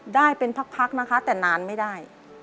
ได้เป็นพักนะคะแต่นานไม่ได้